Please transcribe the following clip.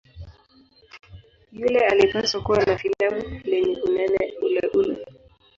Yule alipaswa kuwa na fimbo lenye unene uleule.